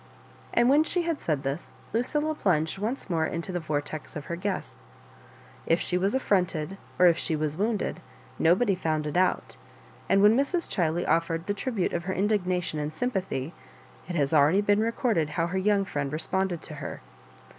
And when she had said this, Lucilla plunged once more into the vortex of her guests. If she was afironted, or if she was wounded, nobody found it out ; and when Mrs. Chiley offered the tribute of her indignation and sympathy, it has already been recorded how her young friend responded to her.